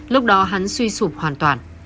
lúc đó hắn suy sụp hoàn toàn